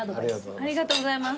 ありがとうございます。